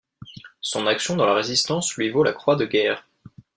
Son action dans la résistance lui vaut la croix de guerre.